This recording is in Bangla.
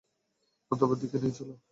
গন্তব্যের দিকে নিয়ে চলো।